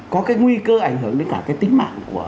có cái nguy cơ ảnh hưởng đến cả cái tính mạng của